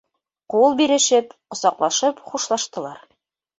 Ҡул бирешеп, ҡосаҡлашып хушлаштылар.